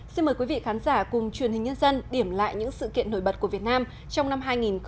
xin mời quý vị khán giả cùng truyền hình nhân dân điểm lại những sự kiện nổi bật của việt nam trong năm hai nghìn một mươi chín